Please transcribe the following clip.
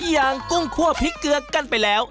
กุ้งคั่วพริกเกลือกันไปแล้ว